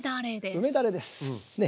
梅だれです。ね。